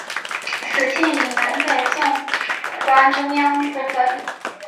此线以南北纵贯中央部分。